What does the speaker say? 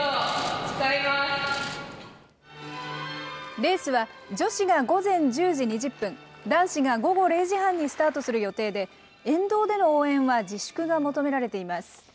レースは女子が午前１０時２０分、男子が午後０時半にスタートする予定で、沿道での応援は自粛が求められています。